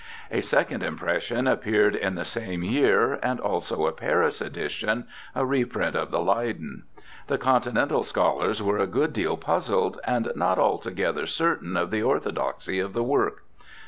A second impression appeared in the same year, and also a Paris edition, a reprint of the Leyden. The continental scholars were a good deal puzzled, and not altogether certain of the orthodoxy of the work.